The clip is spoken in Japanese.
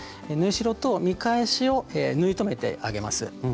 縫い代と見返しを縫い留めてあげます。